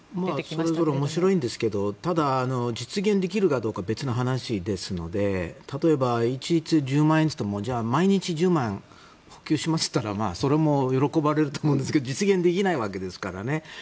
それぞれ面白いんですけどただ、実現できるかどうかは別の話ですので例えば一律１０万円といってもじゃあ、毎日１０万支給しますと言ったらそれも喜ばれると思いますけど実現できないわけですからね。